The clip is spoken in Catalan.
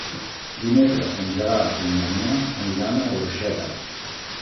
Dimecres en Gerard i en Damià aniran a Orxeta.